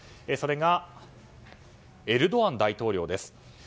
それがエルドアン大統領です。